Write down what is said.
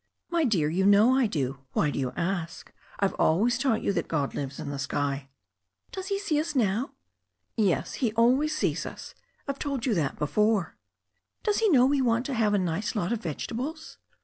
"My dear, you know I do. Why do you ask ? I've always taught you that God lives in the sky." "Does He see us now?" "Yes, He always sees us. I've told you all this before.'' "Does He know we want to have a nice lot of vege tables